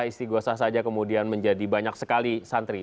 istiqosah saja kemudian menjadi banyak sekali santri